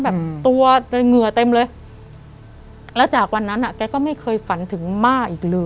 แบบตัวเหงื่อเต็มเลยแล้วจากวันนั้นอ่ะแกก็ไม่เคยฝันถึงม่าอีกเลย